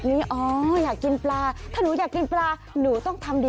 อี๊ด